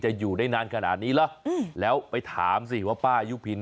อยู่ได้นานขนาดนี้เหรอแล้วไปถามสิว่าป้ายุพิน